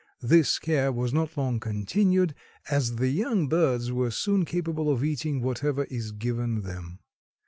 This care was not long continued, as the young birds were soon capable of eating whatever is given them.